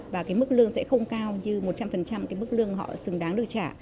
và cái mức lương sẽ không cao như một trăm linh cái mức lương họ xứng đáng được trả